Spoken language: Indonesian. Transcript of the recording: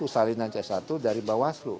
salinan c satu dari bawaslu